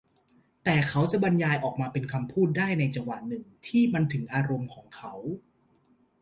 แต่เขาจะบรรยายออกมาเป็นคำพูดได้ในจังหวะหนึ่งที่มันถึงอารมณ์ของเขา